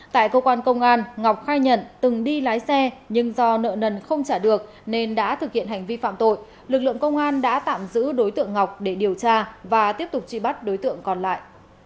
tại cơ quan công an ngọc khai nhận từng đi lái xe nhưng do nợ nần không trả được nên đã thực hiện hành vi phạm tội lực lượng công an đã tạm giữ đối tượng ngọc để điều tra và tiếp tục truy bắt đối tượng còn lại